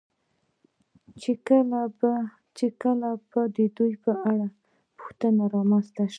چې کله په دې اړه پوښتنې را منځته شوې.